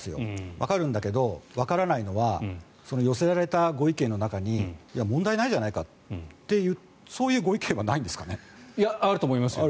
わかるんだけど、わからないのは寄せられたご意見の中に問題ないじゃないかっていうそういうご意見はあると思いますよ。